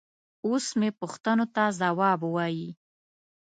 اوس مې پوښتنو ته ځواب وايي.